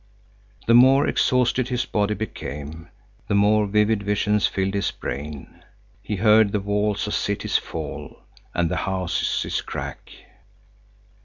The more exhausted his body became, the more vivid visions filled his brain. He heard the walls of cities fall and the houses crack.